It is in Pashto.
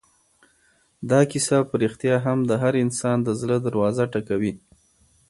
دا کیسه په رښتیا هم د هر انسان د زړه دروازه ټکوي.